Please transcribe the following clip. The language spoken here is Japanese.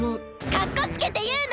かっこつけていうな！